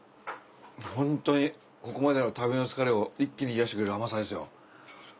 ホントにここまでの旅の疲れを一気に癒やしてくれる甘さですよ。